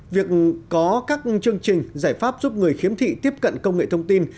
việc có các chương trình giải pháp giúp người khiếm thị tiếp cận công nghệ thông tin